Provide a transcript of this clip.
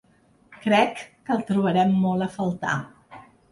Crec que el trobarem molt a faltar.